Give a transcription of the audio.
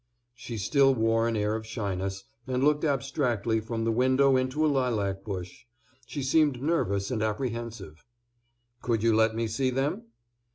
She still wore an air of shyness, and looked abstractedly from the window into a lilac bush; she seemed nervous and apprehensive. "Could you let me see them?"